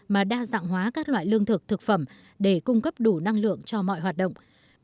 mà đa dạng hóa các loại lương thực thực phẩm để cung cấp đủ năng lượng cho mọi hoạt động